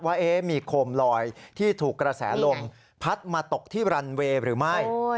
ว่ามีโคมลอยที่ถูกกระแสลมพัดมาตกที่รันเวย์หรือไม่